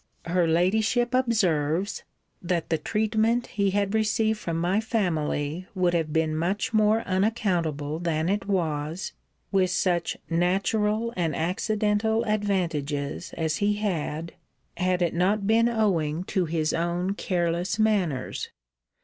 Her ladyship observes, 'That the treatment he had received from my family would have been much more unaccountable than it was, with such natural and accidental advantages as he had, had it not been owing to his own careless manners.